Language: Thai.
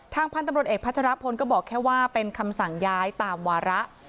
พันธุ์ตำรวจเอกพัชรพลก็บอกแค่ว่าเป็นคำสั่งย้ายตามวาระ